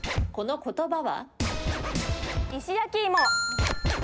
この言葉は？